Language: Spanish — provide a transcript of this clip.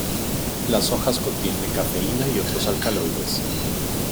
Las hojas contienen cafeína y otros alcaloides.